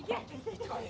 いってこい！